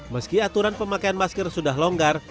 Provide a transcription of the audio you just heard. meski aturan pemakaian masker sudah longgar